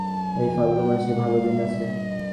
এই ফাল্গুন মাসে ভালো দিন আছে।